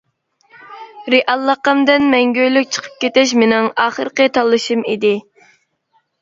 رېئاللىقىمدىن مەڭگۈلۈك چىقىپ كېتىش مېنىڭ ئاخىرقى تاللىشىم ئىدى.